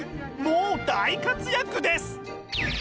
もう大活躍です！